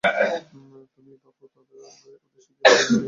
তুমিই বাপু, ওদের শিখিয়ে পড়িয়ে বিবি করে তুলেছ, এখন তুমিই ওদের সামলাও।